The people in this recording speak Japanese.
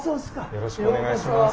よろしくお願いします。